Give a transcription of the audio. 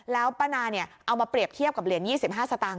แล้วป้านาเอามาเปรียบเทียบกับเหรียญ๒๕สตางค